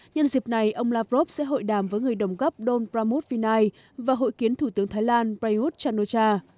nhân dịp này ông lavrov sẽ hội đàm với người đồng gấp don pramod vinay và hội kiến thủ tướng thái lan prayuth chan o cha